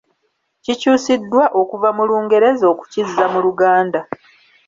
Kikyusiddwa okuva mu Lungereza okukizza mu Luganda.